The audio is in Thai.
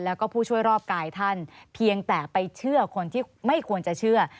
แล้วก็ผู้ช่วยรอบกายท่านเพียงแต่ไปเชื่อคนที่ไม่ควรจะเชื่อ